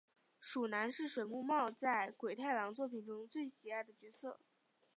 鼠男是水木茂在鬼太郎作品中最喜爱的角色。